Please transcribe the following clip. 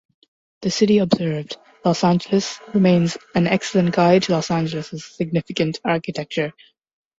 "The City Observed: Los Angeles" remains an excellent guide to Los Angeles' significant architecture.